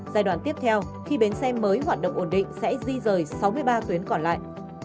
giai đoạn tiếp theo khi bến xe mới hoạt động ổn định sẽ di rời sáu mươi ba tuyến còn lại